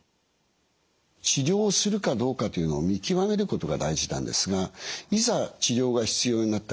治療するかどうかというのを見極めることが大事なんですがいざ治療が必要になった